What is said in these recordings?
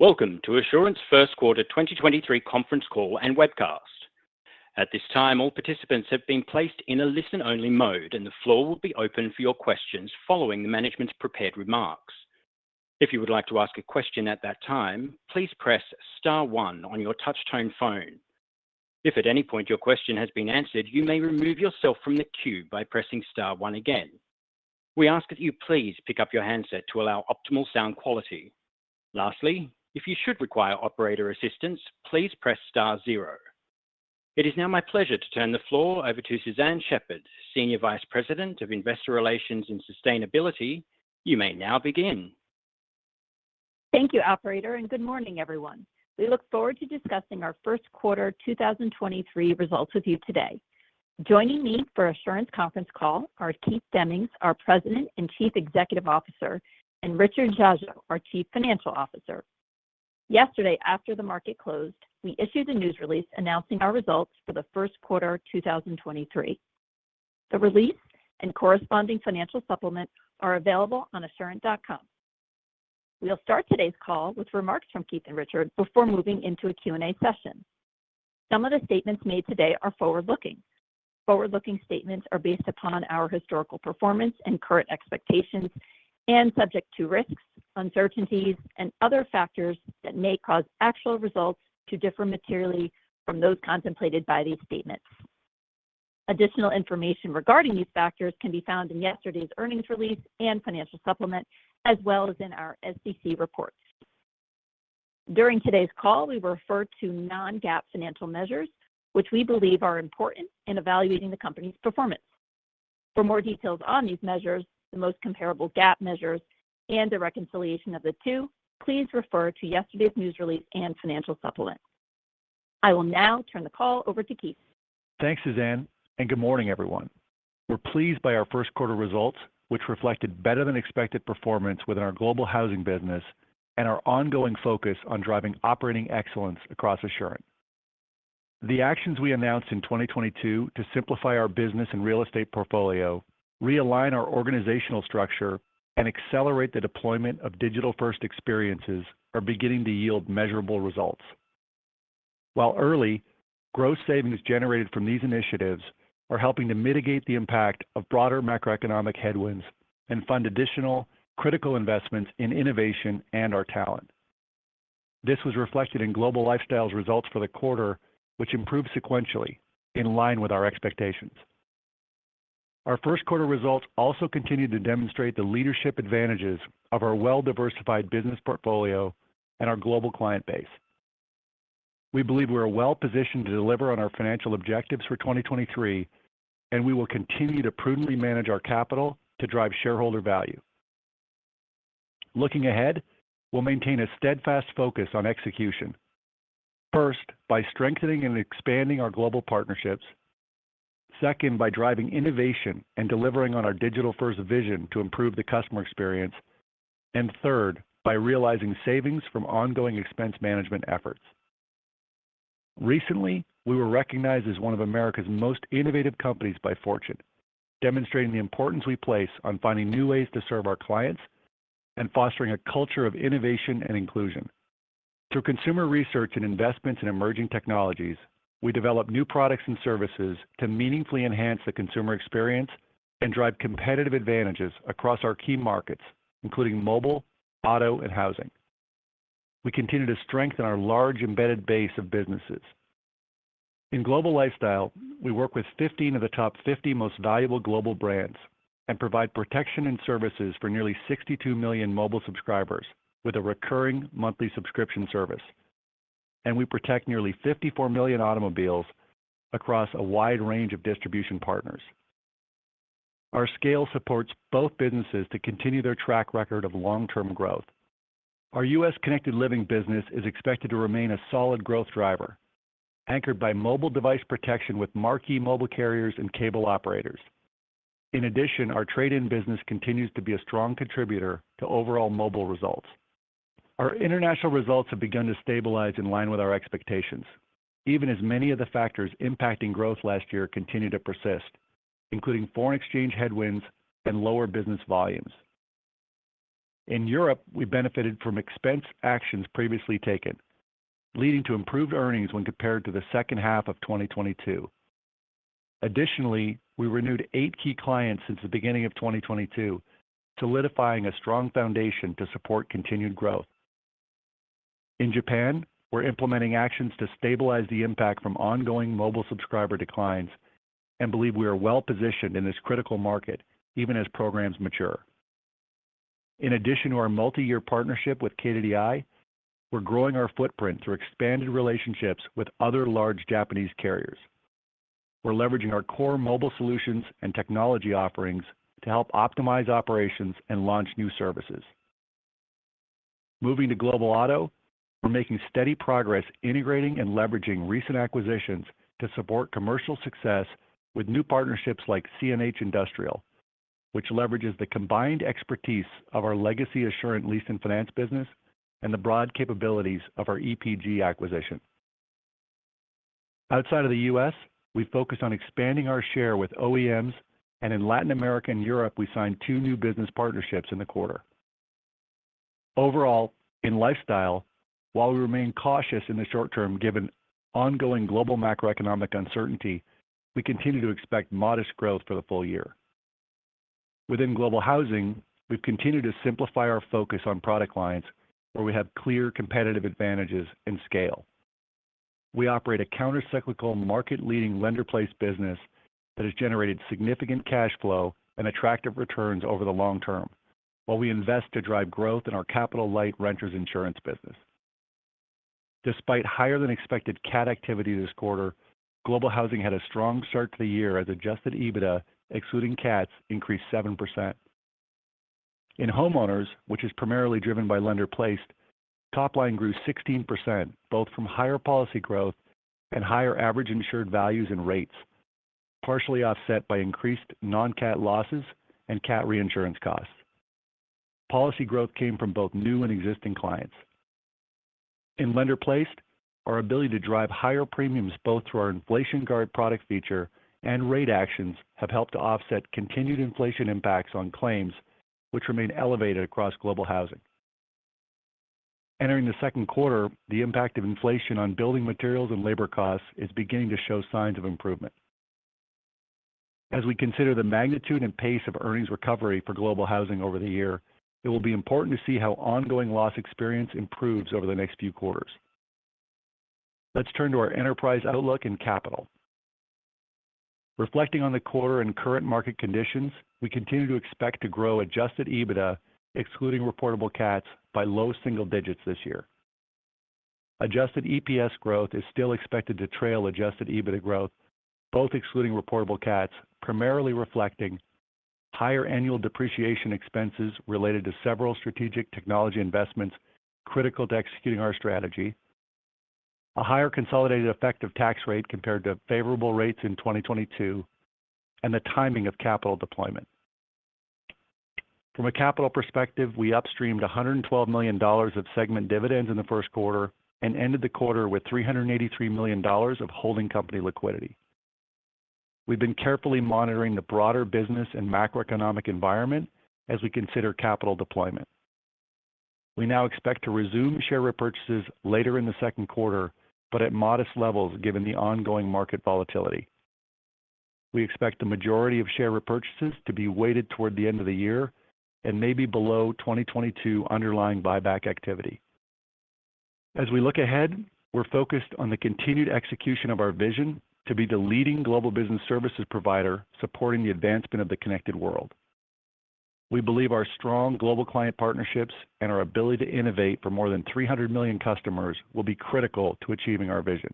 Welcome to Assurant's first quarter 2023 conference call and webcast. At this time, all participants have been placed in a listen-only mode, and the floor will be open for your questions following the management's prepared remarks. If you would like to ask a question at that time, please press star one on your touchtone phone. If at any point your question has been answered, you may remove yourself from the queue by pressing star one again. We ask that you please pick up your handset to allow optimal sound quality. Lastly, if you should require operator assistance, please press star zero. It is now my pleasure to turn the floor over to Suzanne Shepherd, Senior Vice President of Investor Relations and Sustainability. You may now begin. Thank you, operator, and good morning, everyone. We look forward to discussing our first quarter 2023 results with you today. Joining me for Assurant's conference call are Keith Demmings, our President and Chief Executive Officer, and Richard Dziadzio, our Chief Financial Officer. Yesterday, after the market closed, we issued a news release announcing our results for the first quarter 2023. The release and corresponding financial supplement are available on assurant.com. We'll start today's call with remarks from Keith and Richard before moving into a Q&A session. Some of the statements made today are forward-looking. Forward-looking statements are based upon our historical performance and current expectations and subject to risks, uncertainties, and other factors that may cause actual results to differ materially from those contemplated by these statements. Additional information regarding these factors can be found in yesterday's earnings release and financial supplement as well as in our SEC reports. During today's call, we refer to non-GAAP financial measures which we believe are important in evaluating the company's performance. For more details on these measures, the most comparable GAAP measures, and a reconciliation of the two, please refer to yesterday's news release and financial supplement. I will now turn the call over to Keith. Thanks, Suzanne. Good morning, everyone. We're pleased by our first quarter results, which reflected better than expected performance within our Global Housing business and our ongoing focus on driving operating excellence across Assurant. The actions we announced in 2022 to simplify our business and real estate portfolio, realign our organizational structure, and accelerate the deployment of digital-first experiences are beginning to yield measurable results. While early, growth savings generated from these initiatives are helping to mitigate the impact of broader macroeconomic headwinds and fund additional critical investments in innovation and our talent. This was reflected in Global Lifestyle's results for the quarter, which improved sequentially in line with our expectations. Our first quarter results also continued to demonstrate the leadership advantages of our well-diversified business portfolio and our global client base. We believe we are well-positioned to deliver on our financial objectives for 2023. We will continue to prudently manage our capital to drive shareholder value. Looking ahead, we'll maintain a steadfast focus on execution. First, by strengthening and expanding our global partnerships. Second, by driving innovation and delivering on our digital-first vision to improve the customer experience. Third, by realizing savings from ongoing expense management efforts. Recently, we were recognized as one of America's most innovative companies by Fortune, demonstrating the importance we place on finding new ways to serve our clients and fostering a culture of innovation and inclusion. Through consumer research and investments in emerging technologies, we develop new products and services to meaningfully enhance the consumer experience and drive competitive advantages across our key markets, including mobile, auto, and housing. We continue to strengthen our large embedded base of businesses. In Global Lifestyle, we work with 15 of the top 50 most valuable global brands and provide protection and services for nearly 62 million mobile subscribers with a recurring monthly subscription service. We protect nearly 54 million automobiles across a wide range of distribution partners. Our scale supports both businesses to continue their track record of long-term growth. Our U.S. Connected Living business is expected to remain a solid growth driver, anchored by mobile device protection with marquee mobile carriers and cable operators. In addition, our trade-in business continues to be a strong contributor to overall mobile results. Our international results have begun to stabilize in line with our expectations, even as many of the factors impacting growth last year continue to persist, including foreign exchange headwinds and lower business volumes. In Europe, we benefited from expense actions previously taken, leading to improved earnings when compared to the second half of 2022. We renewed 8 key clients since the beginning of 2022, solidifying a strong foundation to support continued growth. In Japan, we're implementing actions to stabilize the impact from ongoing mobile subscriber declines and believe we are well-positioned in this critical market even as programs mature. In addition to our multi-year partnership with KDDI, we're growing our footprint through expanded relationships with other large Japanese carriers. We're leveraging our core mobile solutions and technology offerings to help optimize operations and launch new services. Moving to Global Auto, we're making steady progress integrating and leveraging recent acquisitions to support commercial success with new partnerships like CNH Industrial, which leverages the combined expertise of our legacy Assurant lease and finance business and the broad capabilities of our EPG acquisition. Outside of the U.S., we focus on expanding our share with OEMs, and in Latin America and Europe, we signed 2 new business partnerships in the quarter. Overall, in Global Lifestyle, while we remain cautious in the short term given ongoing global macroeconomic uncertainty, we continue to expect modest growth for the full year. Within Global Housing, we've continued to simplify our focus on product lines where we have clear competitive advantages in scale. We operate a counter-cyclical market-leading lender-placed business that has generated significant cash flow and attractive returns over the long term while we invest to drive growth in our capital-light renters insurance business. Despite higher than expected cat activity this quarter, Global Housing had a strong start to the year as Adjusted EBITDA, excluding cats, increased 7%. In homeowners, which is primarily driven by lender-placed, top line grew 16%, both from higher policy growth and higher Average Insured Values and rates, partially offset by increased non-cat losses and cat reinsurance costs. Policy growth came from both new and existing clients. In lender-placed, our ability to drive higher premiums both through our inflation guard product feature and rate actions have helped to offset continued inflation impacts on claims which remain elevated across Global Housing. Entering the second quarter, the impact of inflation on building materials and labor costs is beginning to show signs of improvement. As we consider the magnitude and pace of earnings recovery for Global Housing over the year, it will be important to see how ongoing loss experience improves over the next few quarters. Let's turn to our enterprise outlook and capital. Reflecting on the quarter and current market conditions, we continue to expect to grow Adjusted EBITDA, excluding reportable cats, by low single digits this year. Adjusted EPS growth is still expected to trail Adjusted EBITDA growth, both excluding reportable cats, primarily reflecting higher annual depreciation expenses related to several strategic technology investments critical to executing our strategy, a higher consolidated effective tax rate compared to favorable rates in 2022, and the timing of capital deployment. From a capital perspective, we upstreamed $112 million of segment dividends in the first quarter and ended the quarter with $383 million of holding company liquidity. We've been carefully monitoring the broader business and macroeconomic environment as we consider capital deployment. We now expect to resume share repurchases later in the second quarter, but at modest levels given the ongoing market volatility. We expect the majority of share repurchases to be weighted toward the end of the year and may be below 2022 underlying buyback activity. As we look ahead, we're focused on the continued execution of our vision to be the leading global business services provider supporting the advancement of the connected world. We believe our strong global client partnerships and our ability to innovate for more than 300 million customers will be critical to achieving our vision.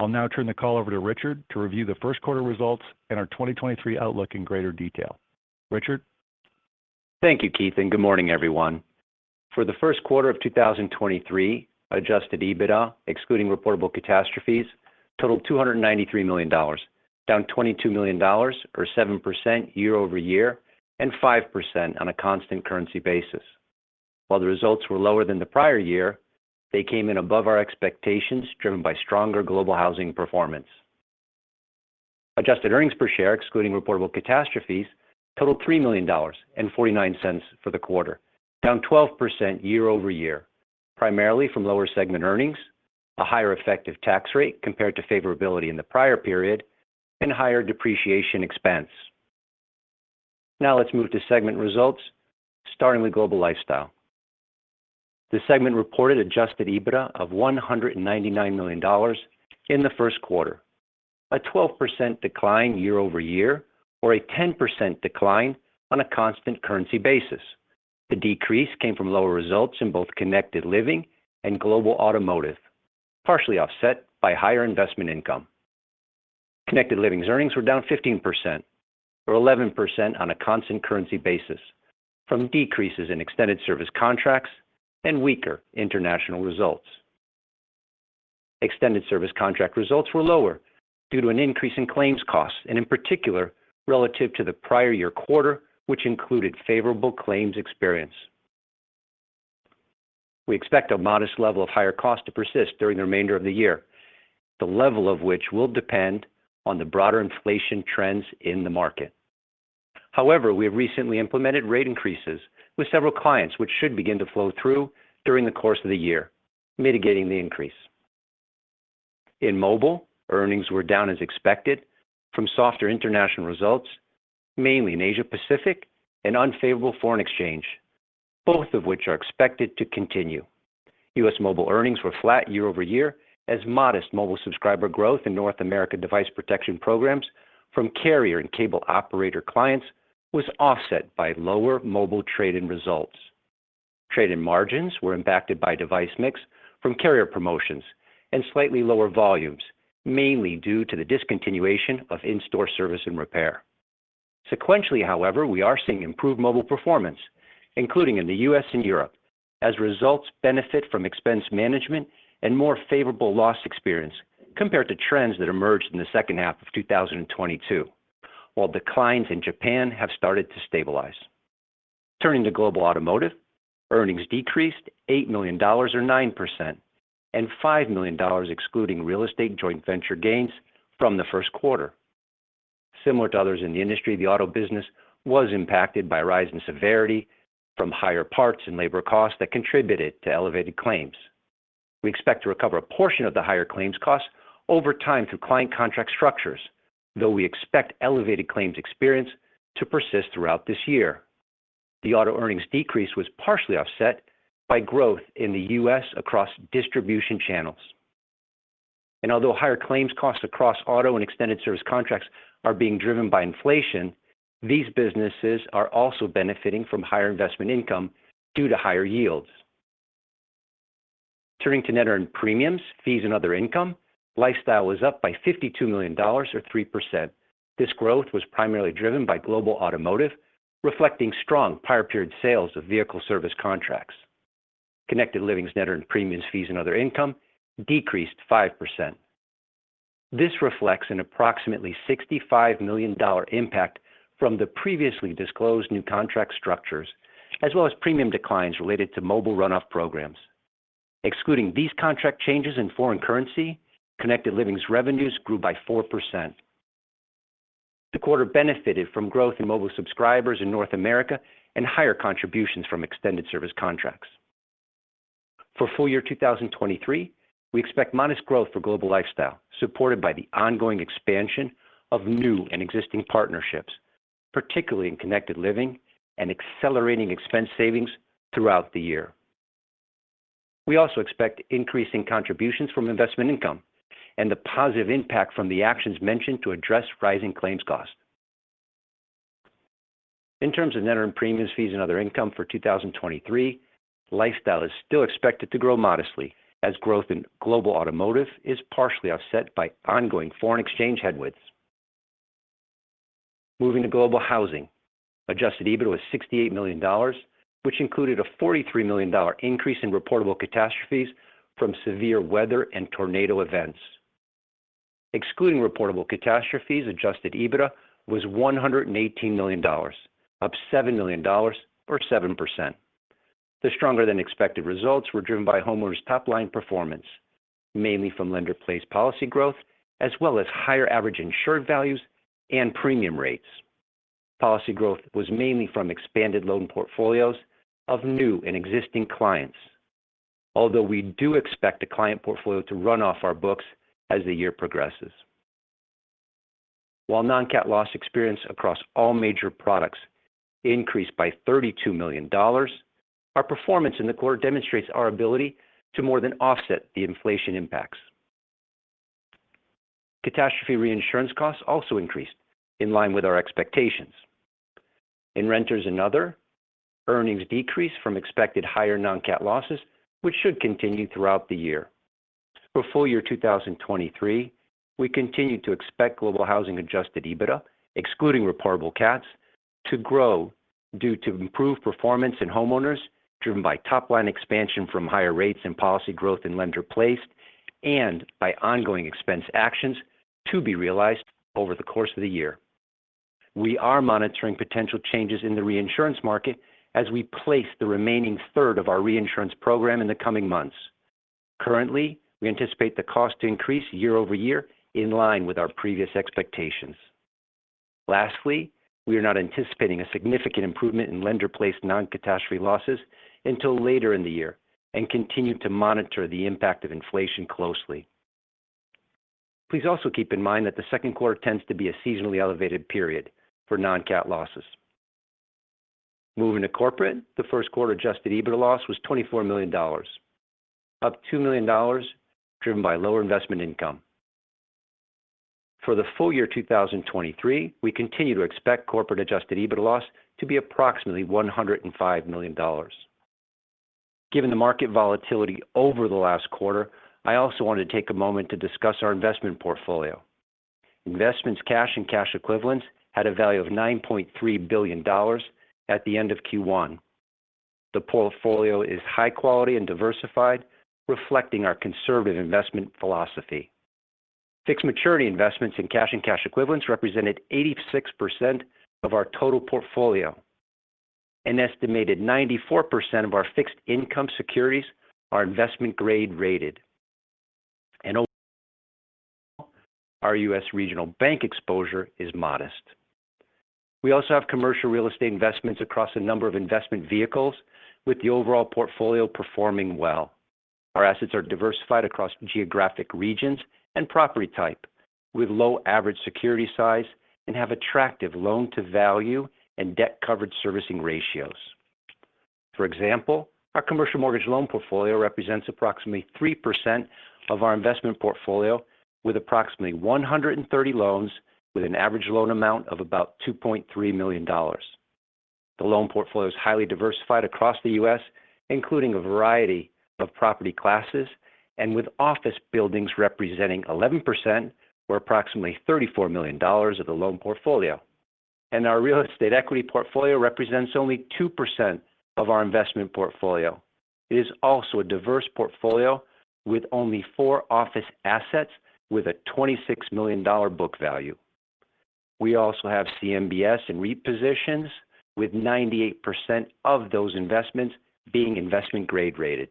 I'll now turn the call over to Richard to review the first quarter results and our 2023 outlook in greater detail. Richard? Thank you, Keith. Good morning, everyone. For the first quarter of 2023, Adjusted EBITDA, excluding reportable catastrophes, totaled $293 million, down $22 million or 7% year-over-year and 5% on a constant currency basis. While the results were lower than the prior year, they came in above our expectations driven by stronger Global Housing performance. Adjusted earnings per share, excluding reportable catastrophes, totaled $3,000,000 for the quarter, down 12% year-over-year, primarily from lower segment earnings, a higher effective tax rate compared to favorability in the prior period, and higher depreciation expense. Let's move to segment results, starting with Global Lifestyle. The segment reported Adjusted EBITDA of $199 million in the first quarter, a 12% decline year-over-year or a 10% decline on a constant currency basis. The decrease came from lower results in both Connected Living and Global Automotive, partially offset by higher investment income. Connected Living's earnings were down 15% or 11% on a constant currency basis from decreases in extended service contracts and weaker international results. Extended service contract results were lower due to an increase in claims costs, and in particular, relative to the prior year quarter, which included favorable claims experience. We expect a modest level of higher cost to persist during the remainder of the year, the level of which will depend on the broader inflation trends in the market. We have recently implemented rate increases with several clients, which should begin to flow through during the course of the year, mitigating the increase. In mobile, earnings were down as expected from softer international results, mainly in Asia Pacific and unfavorable foreign exchange, both of which are expected to continue. U.S. mobile earnings were flat year-over-year as modest mobile subscriber growth in North America device protection programs from carrier and cable operator clients was offset by lower mobile trade-in results. Trade-in margins were impacted by device mix from carrier promotions and slightly lower volumes, mainly due to the discontinuation of in-store service and repair. Sequentially, however, we are seeing improved mobile performance, including in the U.S. and Europe, as results benefit from expense management and more favorable loss experience compared to trends that emerged in the second half of 2022, while declines in Japan have started to stabilize. Turning to Global Automotive, earnings decreased $8 million or 9% and $5 million excluding real estate joint venture gains from the first quarter. Similar to others in the industry, the auto business was impacted by a rise in severity from higher parts and labor costs that contributed to elevated claims. We expect to recover a portion of the higher claims costs over time through client contract structures, though we expect elevated claims experience to persist throughout this year. The auto earnings decrease was partially offset by growth in the U.S. across distribution channels. Although higher claims costs across auto and extended service contracts are being driven by inflation, these businesses are also benefiting from higher investment income due to higher yields. Turning to net earned premiums, fees, and other income, Lifestyle was up by $52 million, or 3%. This growth was primarily driven by Global Automotive, reflecting strong prior period sales of vehicle service contracts. Connected Living's net earned premiums, fees, and other income decreased 5%. This reflects an approximately $65 million impact from the previously disclosed new contract structures, as well as premium declines related to mobile runoff programs. Excluding these contract changes in foreign currency, Connected Living's revenues grew by 4%. The quarter benefited from growth in mobile subscribers in North America and higher contributions from extended service contracts. For full year 2023, we expect modest growth for Global Lifestyle, supported by the ongoing expansion of new and existing partnerships, particularly in Connected Living and accelerating expense savings throughout the year. We also expect increasing contributions from investment income and the positive impact from the actions mentioned to address rising claims costs. In terms of net earned premiums, fees, and other income for 2023, Lifestyle is still expected to grow modestly as growth in Global Automotive is partially offset by ongoing foreign exchange headwinds. Moving to Global Housing, Adjusted EBITDA was $68 million, which included a $43 million increase in reportable catastrophes from severe weather and tornado events. Excluding reportable catastrophes, Adjusted EBITDA was $118 million, up $7 million or 7%. The stronger-than-expected results were driven by homeowners' top-line performance, mainly from lender place policy growth as well as higher Average Insured Values and premium rates. Policy growth was mainly from expanded loan portfolios of new and existing clients. We do expect the client portfolio to run off our books as the year progresses. While non-cat loss experience across all major products increased by $32 million, our performance in the quarter demonstrates our ability to more than offset the inflation impacts. Catastrophe reinsurance costs also increased in line with our expectations. In Renters and Other, earnings decreased from expected higher non-cat losses, which should continue throughout the year. For full year 2023, we continue to expect Global Housing Adjusted EBITDA, excluding reportable cats, to grow due to improved performance in homeowners, driven by top-line expansion from higher rates and policy growth in lender-placed, and by ongoing expense actions to be realized over the course of the year. We are monitoring potential changes in the reinsurance market as we place the remaining third of our reinsurance program in the coming months. Currently, we anticipate the cost to increase year-over-year in line with our previous expectations. Lastly, we are not anticipating a significant improvement in lender-placed non-catastrophe losses until later in the year and continue to monitor the impact of inflation closely. Please also keep in mind that the second quarter tends to be a seasonally elevated period for non-cat losses. Moving to Corporate, the first quarter Adjusted EBITDA loss was $24 million, up $2 million, driven by lower investment income. For the full year 2023, we continue to expect Corporate Adjusted EBITDA loss to be approximately $105 million. Given the market volatility over the last quarter, I also want to take a moment to discuss our investment portfolio. Investments cash and cash equivalents had a value of $9.3 billion at the end of Q1. The portfolio is high quality and diversified, reflecting our conservative investment philosophy. Fixed maturity investments in cash and cash equivalents represented 86% of our total portfolio. An estimated 94% of our fixed income securities are investment grade rated. Our U.S. regional bank exposure is modest. We also have commercial real estate investments across a number of investment vehicles with the overall portfolio performing well. Our assets are diversified across geographic regions and property type with low average security size and have attractive loan-to-value and debt coverage servicing ratios. For example, our commercial mortgage loan portfolio represents approximately 3% of our investment portfolio with approximately 130 loans with an average loan amount of about $2.3 million. The loan portfolio is highly diversified across the U.S., including a variety of property classes and with office buildings representing 11% or approximately $34 million of the loan portfolio. Our real estate equity portfolio represents only 2% of our investment portfolio. It is also a diverse portfolio with only 4 office assets with a $26 million book value. We also have CMBS and REIT positions with 98% of those investments being investment grade rated.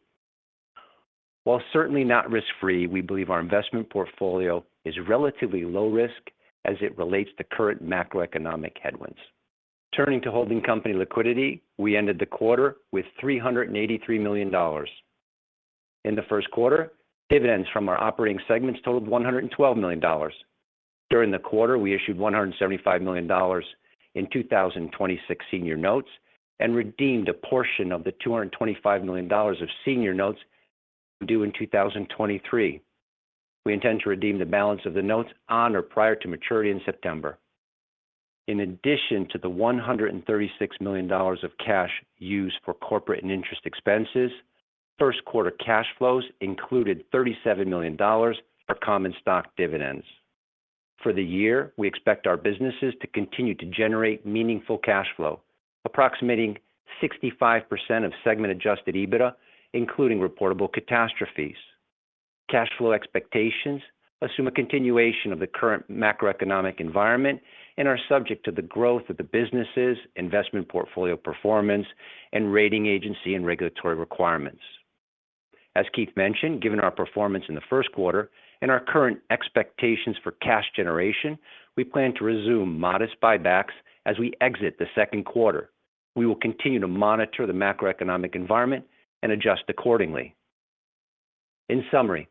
While certainly not risk-free, we believe our investment portfolio is relatively low risk as it relates to current macroeconomic headwinds. Turning to holding company liquidity, we ended the quarter with $383 million. In the first quarter, dividends from our operating segments totaled $112 million. During the quarter, we issued $175 million in 2026 senior notes and redeemed a portion of the $225 million of senior notes due in 2023. We intend to redeem the balance of the notes on or prior to maturity in September. In addition to the $136 million of cash used for corporate and interest expenses, first quarter cash flows included $37 million for common stock dividends. For the year, we expect our businesses to continue to generate meaningful cash flow, approximating 65% of segment Adjusted EBITDA, including reportable catastrophes. Cash flow expectations assume a continuation of the current macroeconomic environment and are subject to the growth of the businesses, investment portfolio performance, and rating agency and regulatory requirements. As Keith mentioned, given our performance in the first quarter and our current expectations for cash generation, we plan to resume modest buybacks as we exit the second quarter. We will continue to monitor the macroeconomic environment and adjust accordingly. In summary,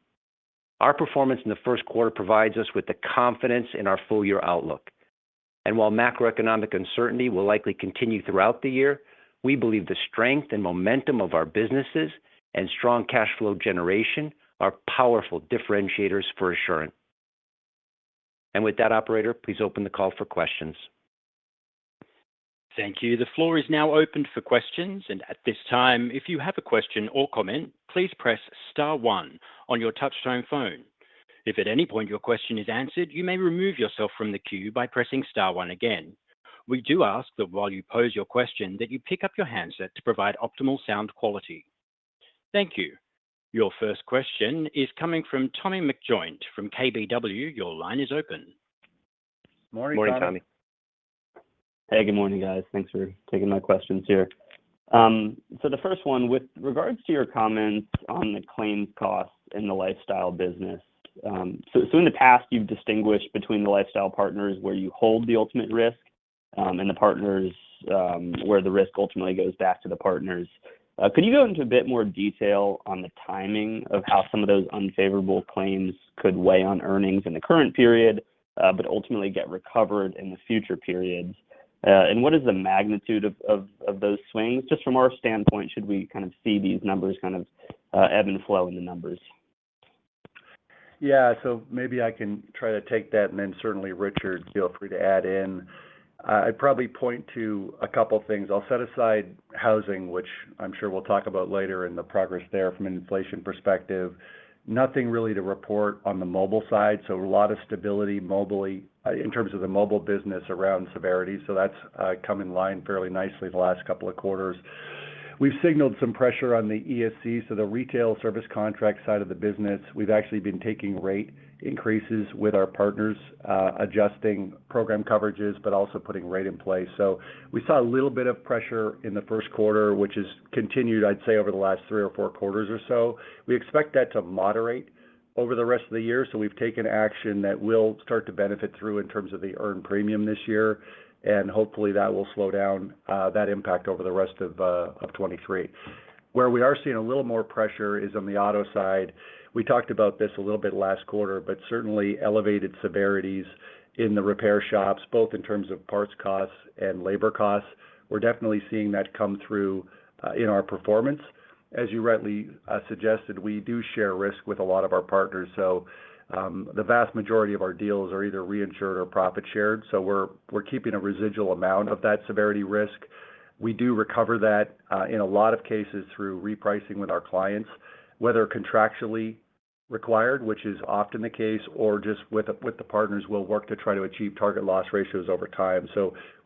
our performance in the first quarter provides us with the confidence in our full year outlook. While macroeconomic uncertainty will likely continue throughout the year, we believe the strength and momentum of our businesses and strong cash flow generation are powerful differentiators for Assurant. With that, operator, please open the call for questions. Thank you. The floor is now open for questions. At this time, if you have a question or comment, please press star one on your touchtone phone. If at any point your question is answered, you may remove yourself from the queue by pressing star one again. We do ask that while you pose your question that you pick up your handset to provide optimal sound quality. Thank you. Your first question is coming from Tommy McJoynt-Griffith from KBW. Your line is open. Morning, Tommy. Morning, Tommy. Hey, good morning, guys. Thanks for taking my questions here. The first one, with regards to your comments on the claims costs in the lifestyle business, so in the past, you've distinguished between the lifestyle partners where you hold the ultimate risk, and the partners where the risk ultimately goes back to the partners. Could you go into a bit more detail on the timing of how some of those unfavorable claims could weigh on earnings in the current period, but ultimately get recovered in the future periods? What is the magnitude of those swings? Just from our standpoint, should we kind of see these numbers kind of ebb and flow in the numbers? Yeah. Maybe I can try to take that and then certainly Richard feel free to add in. I'd probably point to a couple things. I'll set aside housing, which I'm sure we'll talk about later in the progress there from an inflation perspective. Nothing really to report on the mobile side, so a lot of stability mobily in terms of the mobile business around severity. That's come in line fairly nicely the last couple of quarters. We've signaled some pressure on the ESC, so the retail service contract side of the business. We've actually been taking rate increases with our partners, adjusting program coverages, but also putting rate in place. We saw a little bit of pressure in the first quarter, which has continued, I'd say, over the last 3 or 4 quarters or so. We expect that to moderate over the rest of the year, so we've taken action that will start to benefit through in terms of the earned premium this year. Hopefully, that will slow down that impact over the rest of 2023. Where we are seeing a little more pressure is on the auto side. We talked about this a little bit last quarter, but certainly elevated severities in the repair shops, both in terms of parts costs and labor costs. We're definitely seeing that come through in our performance. As you rightly suggested, we do share risk with a lot of our partners. The vast majority of our deals are either reinsured or profit shared, so we're keeping a residual amount of that severity risk. We do recover that in a lot of cases through repricing with our clients, whether contractually required, which is often the case, or just with the partners, we'll work to try to achieve target loss ratios over time.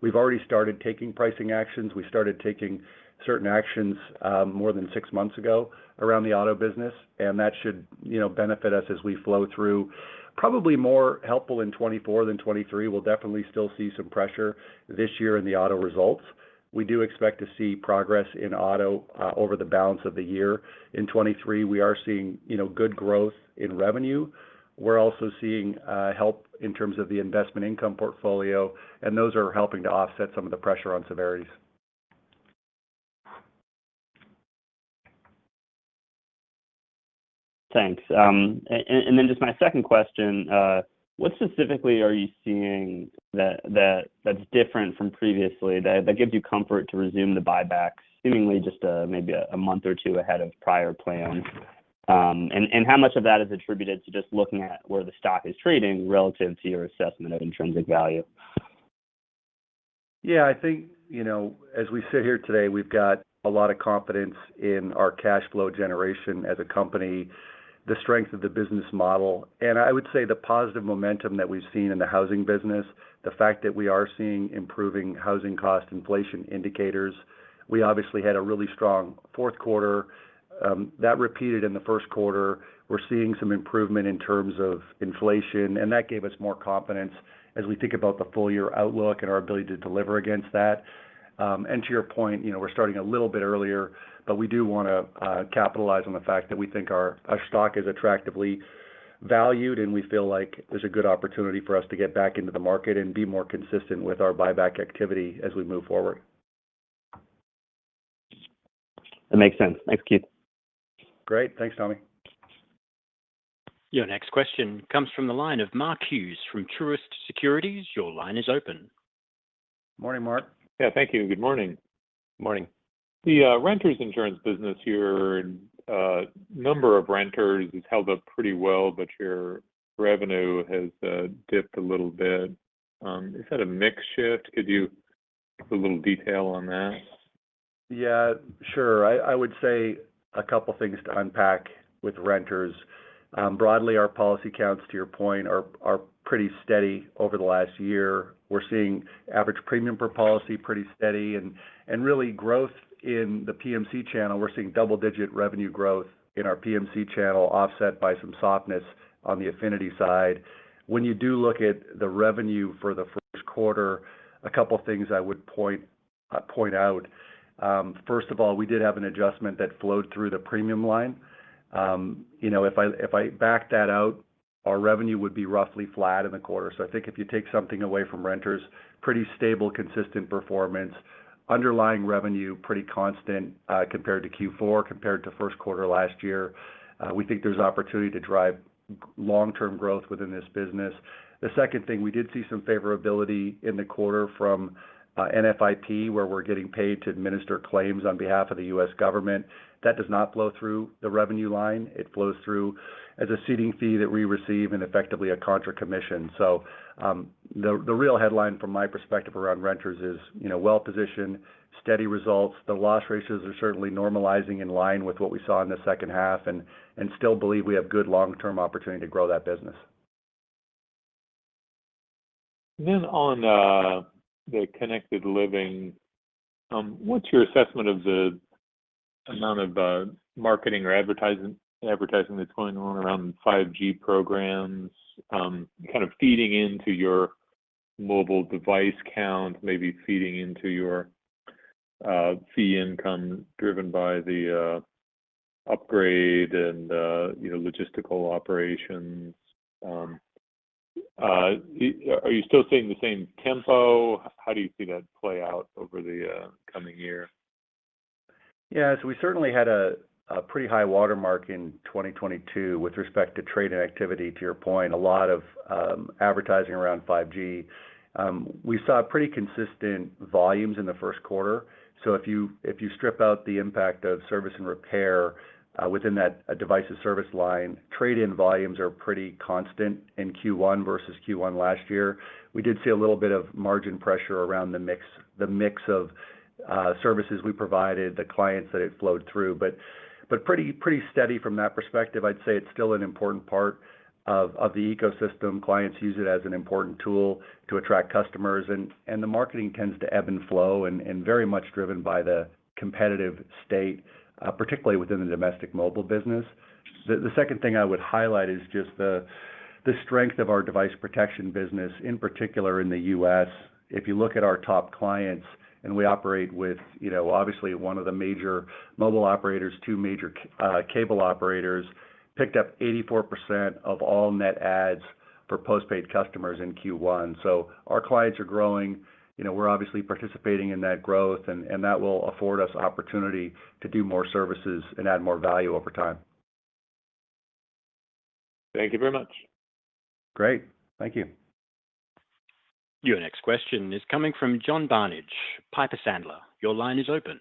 We've already started taking pricing actions. We started taking certain actions more than six months ago around the auto business, and that should, you know, benefit us as we flow through. Probably more helpful in 2024 than 2023. We'll definitely still see some pressure this year in the auto results. We do expect to see progress in auto over the balance of the year. In 2023, we are seeing, you know, good growth in revenue. We're also seeing help in terms of the investment income portfolio, and those are helping to offset some of the pressure on severities. Thanks. Then just my second question, what specifically are you seeing that's different from previously that gives you comfort to resume the buyback seemingly just maybe a month or two ahead of prior plans? How much of that is attributed to just looking at where the stock is trading relative to your assessment of intrinsic value? Yeah, I think, you know, as we sit here today, we've got a lot of confidence in our cash flow generation as a company. The strength of the business model, and I would say the positive momentum that we've seen in the housing business, the fact that we are seeing improving housing cost inflation indicators. We obviously had a really strong fourth quarter. That repeated in the first quarter. We're seeing some improvement in terms of inflation, and that gave us more confidence as we think about the full year outlook and our ability to deliver against that. And to your point, you know, we're starting a little bit earlier, but we do wanna capitalize on the fact that we think our stock is attractively valued, and we feel like there's a good opportunity for us to get back into the market and be more consistent with our buyback activity as we move forward. That makes sense. Thanks, Keith. Great. Thanks, Tommy. Your next question comes from the line of Mark Hughes from Truist Securities. Your line is open. Morning, Mark. Yeah, thank you. Good morning. Morning. The renters insurance business, your number of renters has held up pretty well, but your revenue has dipped a little bit. Is that a mix shift? Could you give a little detail on that? Yeah, sure. I would say a couple things to unpack with renters. Broadly, our policy counts, to your point, are pretty steady over the last year. We're seeing average premium per policy pretty steady and really growth in the PMC channel. We're seeing double-digit revenue growth in our PMC channel offset by some softness on the affinity side. When you do look at the revenue for the first quarter, a couple things I would point out. First of all, we did have an adjustment that flowed through the premium line. You know, if I back that out, our revenue would be roughly flat in the quarter. I think if you take something away from renters, pretty stable, consistent performance. Underlying revenue, pretty constant compared to Q4, compared to first quarter last year. We think there's opportunity to drive long-term growth within this business. The second thing, we did see some favorability in the quarter from NFIP, where we're getting paid to administer claims on behalf of the U.S. government. That does not flow through the revenue line. It flows through as a seeding fee that we receive in effectively a contra commission. The real headline from my perspective around renters is, you know, well positioned, steady results. The loss ratios are certainly normalizing in line with what we saw in the second half and still believe we have good long-term opportunity to grow that business. On the Connected Living, what's your assessment of the amount of marketing or advertising that's going on around 5G programs, kind of feeding into your mobile device count, maybe feeding into your fee income driven by the upgrade and, you know, logistical operations? Are you still seeing the same tempo? How do you see that play out over the coming year? Yeah. We certainly had a pretty high watermark in 2022 with respect to trade and activity, to your point. A lot of advertising around 5G. We saw pretty consistent volumes in the first quarter. If you strip out the impact of service and repair within that devices service line, trade-in volumes are pretty constant in Q1 versus Q1 last year. We did see a little bit of margin pressure around the mix of services we provided, the clients that it flowed through. Pretty steady from that perspective. I'd say it's still an important part of the ecosystem. Clients use it as an important tool to attract customers and the marketing tends to ebb and flow and very much driven by the competitive state, particularly within the domestic mobile business. The second thing I would highlight is just the strength of our device protection business, in particular in the U.S. If you look at our top clients, and we operate with, you know, obviously one of the major mobile operators, two major cable operators, picked up 84% of all net adds for postpaid customers in Q1. Our clients are growing. You know, we're obviously participating in that growth and that will afford us opportunity to do more services and add more value over time. Thank you very much. Great. Thank you. Your next question is coming from John Barnidge, Piper Sandler. Your line is open.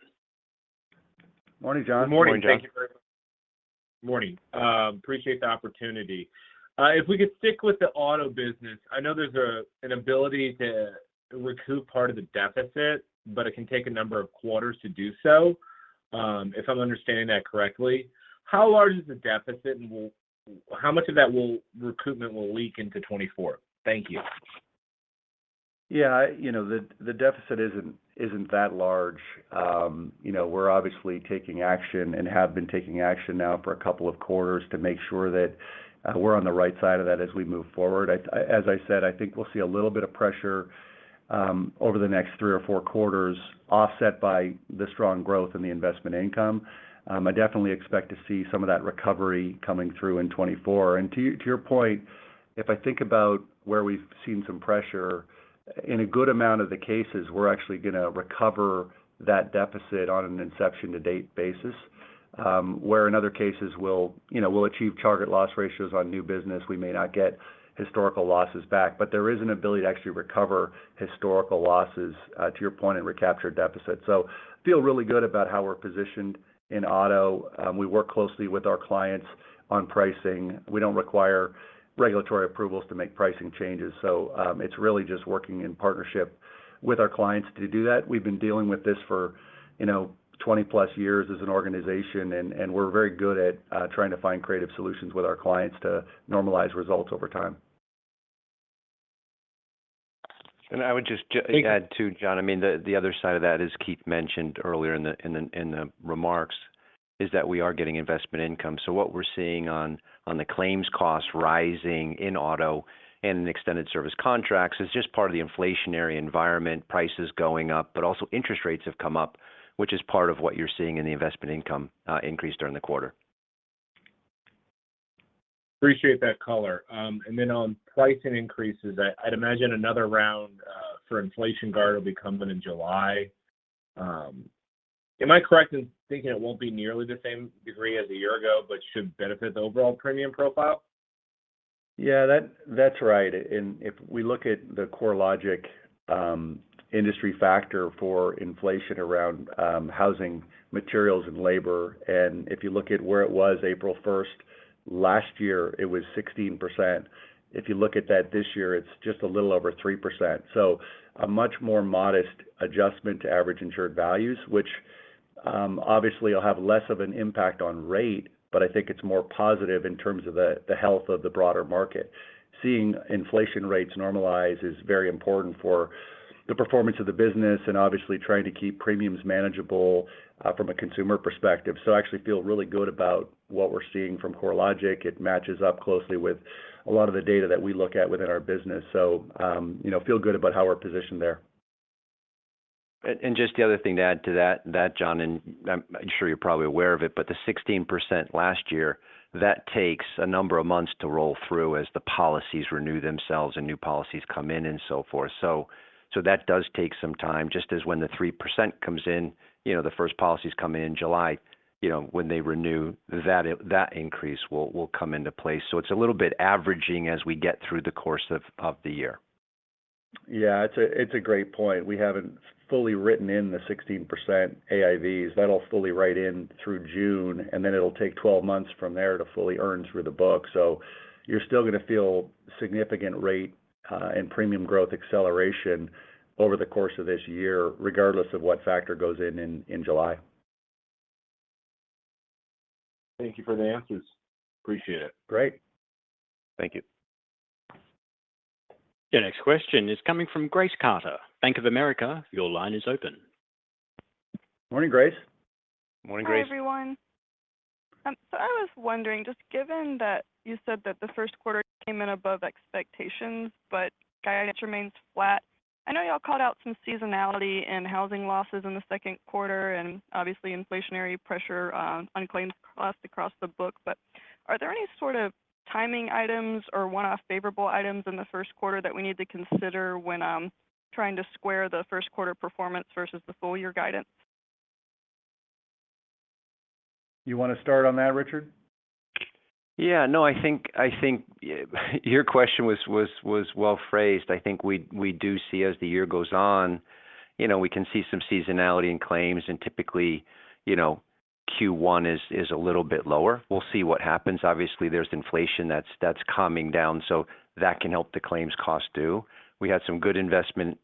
Morning, John. Morning, John. Morning. Thank you very much. Morning. Appreciate the opportunity. If we could stick with the auto business, I know there's an ability to recoup part of the deficit, but it can take a number of quarters to do so, if I'm understanding that correctly. How large is the deficit, and how much of that recruitment will leak into 2024? Thank you. Yeah. You know, the deficit isn't that large. You know, we're obviously taking action and have been taking action now for a couple of quarters to make sure that we're on the right side of that as we move forward. As I said, I think we'll see a little bit of pressure over the next three or four quarters offset by the strong growth in the investment income. I definitely expect to see some of that recovery coming through in 2024. To your point, if I think about where we've seen some pressure, in a good amount of the cases, we're actually gonna recover that deficit on an inception to date basis, where in other cases we'll, you know, we'll achieve target loss ratios on new business. We may not get historical losses back. There is an ability to actually recover historical losses, to your point, and recapture deficits. Feel really good about how we're positioned in auto. We work closely with our clients on pricing. We don't require regulatory approvals to make pricing changes. It's really just working in partnership with our clients to do that. We've been dealing with this for, you know, 20-plus years as an organization, and we're very good at trying to find creative solutions with our clients to normalize results over time. I would just add too, John, I mean, the other side of that, as Keith mentioned earlier in the remarks, is that we are getting investment income. What we're seeing on the claims costs rising in auto and in extended service contracts is just part of the inflationary environment, prices going up. But also interest rates have come up, which is part of what you're seeing in the investment income increase during the quarter. Appreciate that color. On pricing increases, I'd imagine another round for inflation guard will be coming in July. Am I correct in thinking it won't be nearly the same degree as a year ago, but should benefit the overall premium profile? Yeah, that's right. If we look at the CoreLogic industry factor for inflation around housing materials and labor. If you look at where it was April first last year, it was 16%. If you look at that this year, it's just a little over 3%. A much more modest adjustment to average insured values, which obviously will have less of an impact on rate, but I think it's more positive in terms of the health of the broader market. Seeing inflation rates normalize is very important for the performance of the business and obviously trying to keep premiums manageable from a consumer perspective. I actually feel really good about what we're seeing from CoreLogic. It matches up closely with a lot of the data that we look at within our business. You know, feel good about how we're positioned there. Just the other thing to add to that, John, I'm sure you're probably aware of it, but the 16% last year, that takes a number of months to roll through as the policies renew themselves and new policies come in and so forth. That does take some time, just as when the 3% comes in, you know, the first policies come in July, you know, when they renew, that increase will come into place. It's a little bit averaging as we get through the course of the year. Yeah. It's a great point. We haven't fully written in the 16% AIVs. That'll fully write in through June, and then it'll take 12 months from there to fully earn through the book. You're still gonna feel significant rate and premium growth acceleration over the course of this year, regardless of what factor goes in July. Thank you for the answers. Appreciate it. Great. Thank you. Your next question is coming from Grace Carter, Bank of America, your line is open. Morning, Grace. Morning, Grace. Hi, everyone. I was wondering, just given that you said that the first quarter came in above expectations, Guidance remains flat. I know y'all called out some seasonality in housing losses in the second quarter and obviously inflationary pressure on claims costs across the book. Are there any sort of timing items or one-off favorable items in the first quarter that we need to consider when trying to square the first quarter performance versus the full year guidance? You wanna start on that, Richard? No, I think your question was well phrased. I think we do see, as the year goes on, you know, we can see some seasonality in claims and typically, you know, Q1 is a little bit lower. We'll see what happens. Obviously, there's inflation that's calming down, that can help the claims cost too. We had some good investment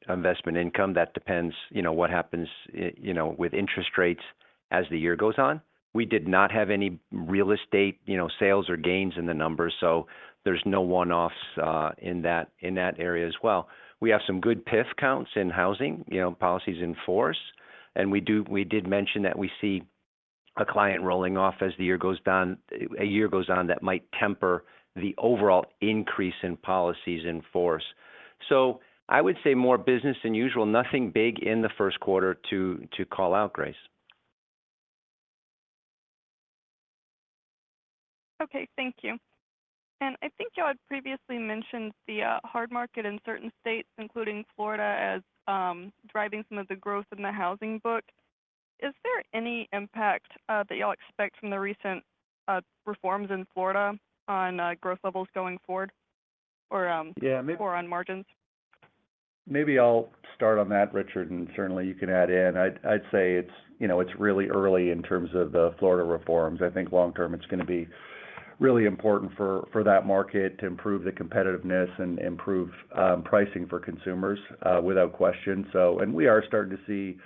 income. That depends, you know, what happens, you know, with interest rates as the year goes on. We did not have any real estate, you know, sales or gains in the numbers, there's no one-offs in that area as well. We have some good PIF counts in housing, you know, policies in force. We did mention that we see a client rolling off as the year goes on that might temper the overall increase in policies in force. I would say more business than usual. Nothing big in the first quarter to call out, Grace. Okay. Thank you. I think y'all had previously mentioned the hard market in certain states, including Florida, as driving some of the growth in the housing book. Is there any impact that y'all expect from the recent reforms in Florida on growth levels going forward or? Yeah. On margins? Maybe I'll start on that, Richard, and certainly you can add in. I'd say it's, you know, it's really early in terms of the Florida reforms. I think long term it's gonna be really important for that market to improve the competitiveness and improve pricing for consumers without question. We are starting to see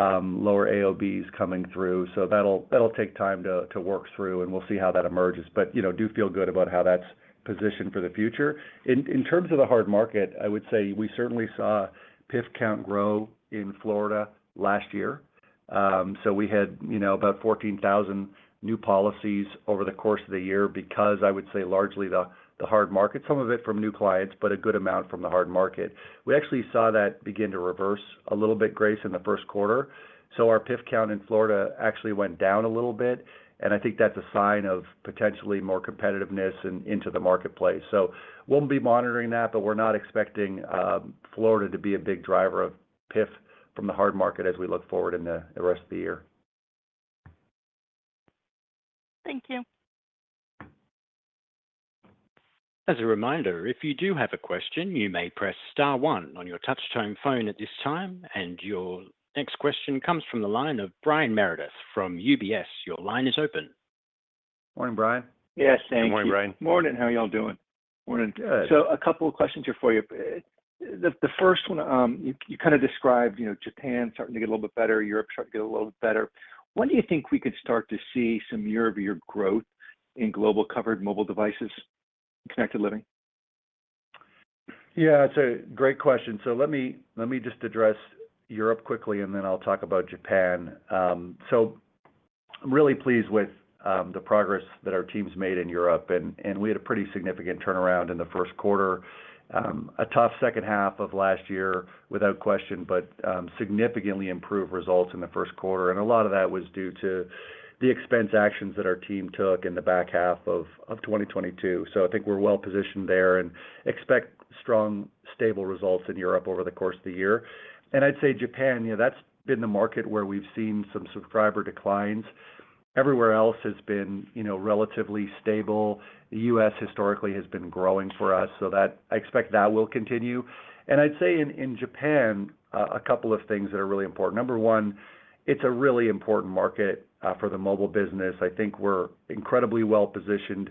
lower AOBs coming through, so that'll take time to work through, and we'll see how that emerges. You know, do feel good about how that's positioned for the future. In terms of the hard market, I would say we certainly saw PIF count grow in Florida last year. We had, you know, about 14,000 new policies over the course of the year because I would say largely the hard market. Some of it from new clients, but a good amount from the hard market. We actually saw that begin to reverse a little bit, Grace, in the first quarter. Our PIF count in Florida actually went down a little bit, and I think that's a sign of potentially more competitiveness into the marketplace. We'll be monitoring that, but we're not expecting Florida to be a big driver of PIF from the hard market as we look forward in the rest of the year. Thank you. As a reminder, if you do have a question, you may press star 1 on your touch-tone phone at this time. Your next question comes from the line of Brian Meredith from UBS. Your line is open. Morning, Brian. Yes, thank you. Good morning, Brian. Morning. How are y'all doing? Morning. A couple of questions here for you. The first one, you kind of described, you know, Japan starting to get a little bit better, Europe starting to get a little bit better. When do you think we could start to see some year-over-year growth? In global covered mobile devices, Connected Living. Yeah, it's a great question. Let me just address Europe quickly, and then I'll talk about Japan. I'm really pleased with the progress that our team's made in Europe, and we had a pretty significant turnaround in the first quarter. A tough second half of last year without question, but significantly improved results in the first quarter. A lot of that was due to the expense actions that our team took in the back half of 2022. I think we're well-positioned there and expect strong, stable results in Europe over the course of the year. I'd say Japan, you know, that's been the market where we've seen some subscriber declines. Everywhere else has been, you know, relatively stable. The U.S. historically has been growing for us, so that I expect that will continue. I'd say in Japan, a couple of things that are really important. Number 1, it's a really important market for the mobile business. I think we're incredibly well-positioned,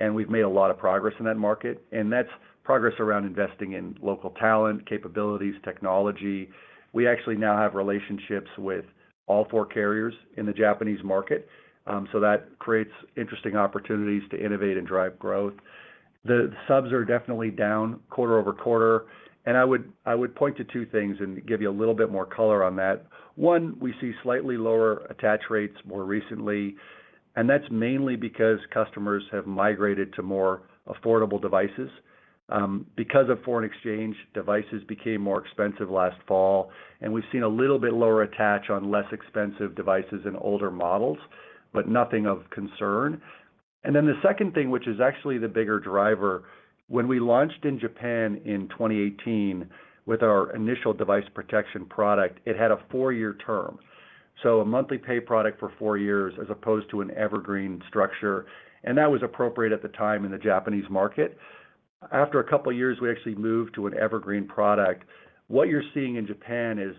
and we've made a lot of progress in that market, and that's progress around investing in local talent, capabilities, technology. We actually now have relationships with all 4 carriers in the Japanese market, so that creates interesting opportunities to innovate and drive growth. The subs are definitely down quarter-over-quarter, and I would point to 2 things and give you a little bit more color on that. One, we see slightly lower attach rates more recently, and that's mainly because customers have migrated to more affordable devices. Because of foreign exchange, devices became more expensive last fall, and we've seen a little bit lower attach on less expensive devices and older models, but nothing of concern. The second thing, which is actually the bigger driver, when we launched in Japan in 2018 with our initial device protection product, it had a 4-year term. A monthly pay product for 4 years as opposed to an evergreen structure, and that was appropriate at the time in the Japanese market. After 2 years, we actually moved to an evergreen product. What you're seeing in Japan is,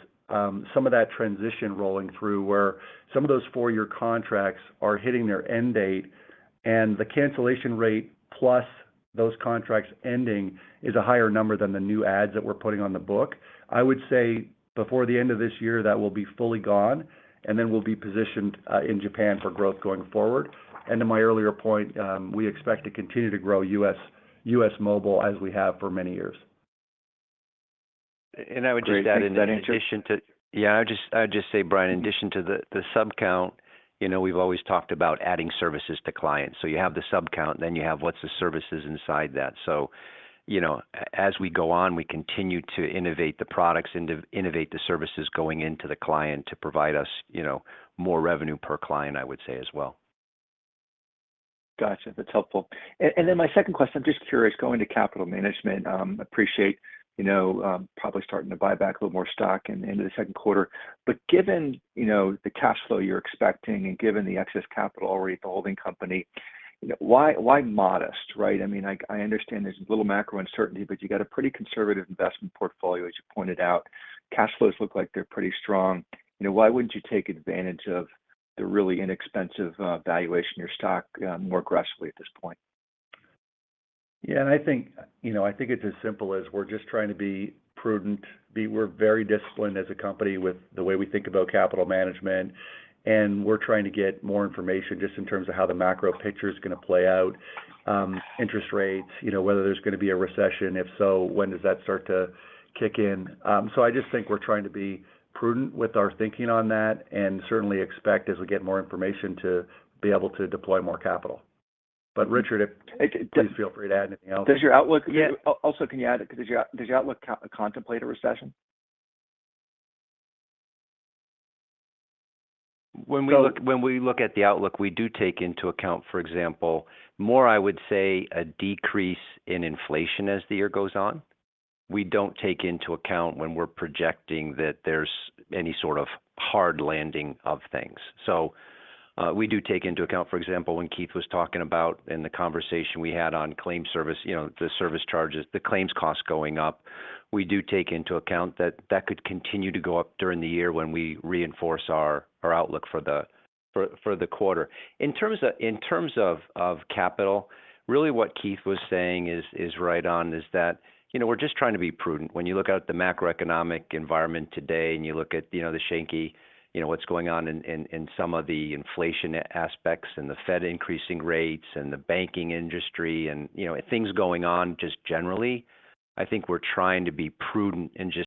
some of that transition rolling through, where some of those 4-year contracts are hitting their end date, and the cancellation rate plus those contracts ending is a higher number than the new adds that we're putting on the book. I would say before the end of this year, that will be fully gone, and then we'll be positioned in Japan for growth going forward. To my earlier point, we expect to continue to grow U.S. mobile as we have for many years. I would just add. Great. Thanks. Yeah. I would just say, Brian, in addition to the sub count, you know, we've always talked about adding services to clients. You have the sub count, then you have what's the services inside that. You know, as we go on, we continue to innovate the products and to innovate the services going into the client to provide us, you know, more revenue per client, I would say as well. Gotcha. That's helpful. Then my second question, I'm just curious, going to capital management, appreciate, you know, probably starting to buy back a little more stock into the second quarter. Given, you know, the cash flow you're expecting and given the excess capital already at the holding company, you know, why modest, right? I mean, I understand there's a little macro uncertainty, but you got a pretty conservative investment portfolio, as you pointed out. Cash flows look like they're pretty strong. You know, why wouldn't you take advantage of the really inexpensive valuation of your stock, more aggressively at this point? Yeah. I think, you know, I think it's as simple as we're just trying to be prudent. We're very disciplined as a company with the way we think about capital management, and we're trying to get more information just in terms of how the macro picture's gonna play out, interest rates, you know, whether there's gonna be a recession. If so, when does that start to kick in? I just think we're trying to be prudent with our thinking on that and certainly expect, as we get more information, to be able to deploy more capital. Richard, It- Please feel free to add anything else. Does your outlook- Yeah. Can you add, does your outlook contemplate a recession? When we look at the outlook, we do take into account, for example, more, I would say, a decrease in inflation as the year goes on. We don't take into account when we're projecting that there's any sort of hard landing of things. We do take into account, for example, when Keith was talking about in the conversation we had on claim service, you know, the service charges, the claims costs going up. We do take into account that that could continue to go up during the year when we reinforce our outlook for the quarter. In terms of capital, really what Keith was saying is right on, is that, you know, we're just trying to be prudent. When you look out at the macroeconomic environment today and you look at, you know, the shaky, you know, what's going on in, in some of the inflation aspects and the Fed increasing rates and the banking industry and, you know, things going on just generally, I think we're trying to be prudent and just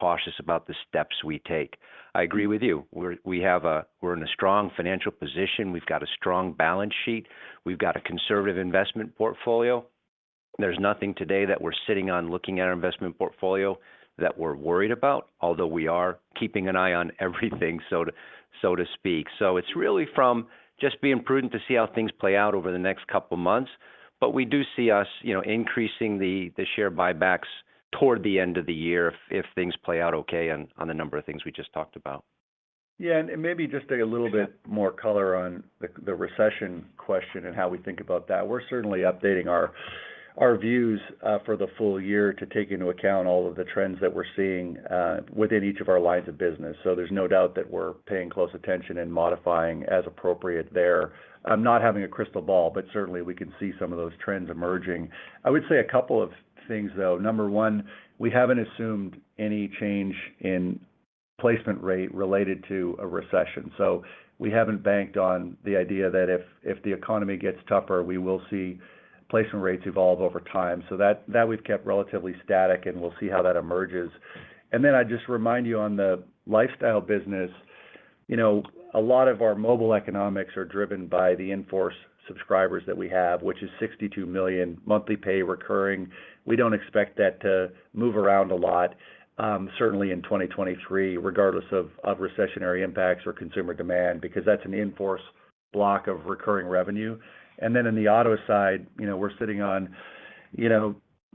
cautious about the steps we take. I agree with you. We have a strong financial position. We've got a strong balance sheet. We've got a conservative investment portfolio. There's nothing today that we're sitting on looking at our investment portfolio that we're worried about, although we are keeping an eye on everything, so to, so to speak. It's really from just being prudent to see how things play out over the next couple months. We do see us, you know, increasing the share buybacks toward the end of the year if things play out okay on the number of things we just talked about. Yeah. Maybe just a little bit more color on the recession question and how we think about that. We're certainly updating our views for the full year to take into account all of the trends that we're seeing within each of our lines of business. There's no doubt that we're paying close attention and modifying as appropriate there. I'm not having a crystal ball, but certainly we can see some of those trends emerging. I would say a couple of things, though. Number one, we haven't assumed any change in placement rate related to a recession. We haven't banked on the idea that if the economy gets tougher, we will see placement rates evolve over time. That we've kept relatively static, and we'll see how that emerges. I'd just remind you on the Lifestyle business, you know, a lot of our mobile economics are driven by the in-force subscribers that we have, which is 62 million monthly pay recurring. We don't expect that to move around a lot, certainly in 2023, regardless of recessionary impacts or consumer demand because that's an in-force block of recurring revenue. In the auto side, you know, we're sitting on, you know,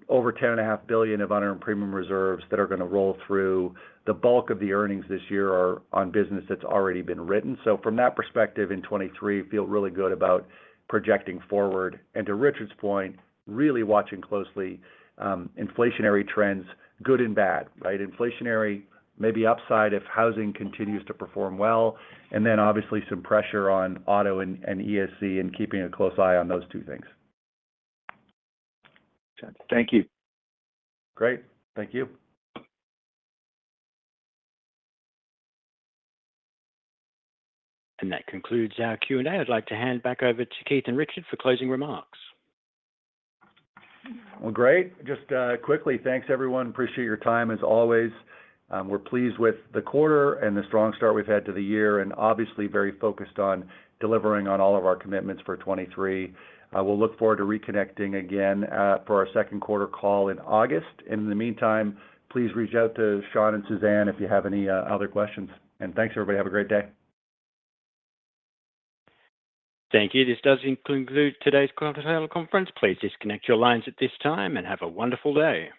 over $10.5 billion of unearned premium reserves that are gonna roll through. The bulk of the earnings this year are on business that's already been written. From that perspective in 2023, feel really good about projecting forward. To Richard's point, really watching closely, inflationary trends, good and bad, right? Inflationary may be upside if housing continues to perform well, and then obviously some pressure on auto and ESC and keeping a close eye on those two things. Thank you. Great. Thank you. That concludes our Q&A. I'd like to hand back over to Keith and Richard for closing remarks. Well, great. Just quickly, thanks, everyone. Appreciate your time as always. We're pleased with the quarter and the strong start we've had to the year, obviously very focused on delivering on all of our commitments for 2023. I will look forward to reconnecting again for our second quarter call in August. In the meantime, please reach out to Sean and Suzanne if you have any other questions. Thanks, everybody. Have a great day. Thank you. This does conclude today's conference call. Please disconnect your lines at this time and have a wonderful day.